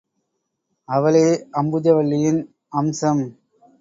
அவளே அம்புஜவல்லியின் அம்சம்.